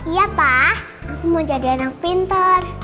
iya pak aku mau jadi anak pintar